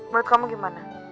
menurut kamu gimana